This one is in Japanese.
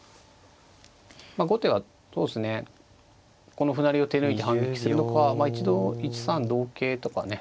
まあ後手はそうですねこの歩成りを手抜いて反撃するのか一度１三同桂とかね。